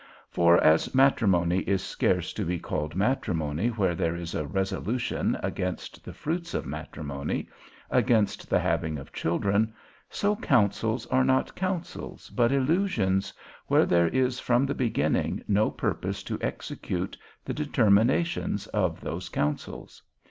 For as matrimony is scarce to be called matrimony where there is a resolution against the fruits of matrimony, against the having of children, so counsels are not counsels, but illusions, where there is from the beginning no purpose to execute the determinations of those counsels.